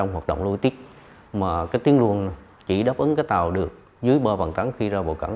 hợp động lưu ý tích mà tiến luận chỉ đáp ứng tàu được dưới bờ vạn tấn khi ra bờ cẳng